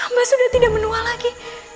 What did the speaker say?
mbak sudah tidak menua lagi